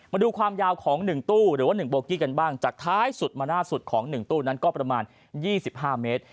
มาดูความยาวของหนึ่งตู้หรือว่าหนึ่งโบกี้กันบ้างจากท้ายสุดมาหน้าสุดของหนึ่งตู้นั้นก็ประมาณยี่สิบห้าเมตร